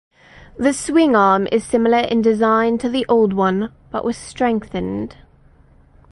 The swingarm is similar in design to the old one, but was strengthened.